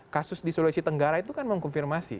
khusus disolusi tenggara itu kan mengkonfirmasi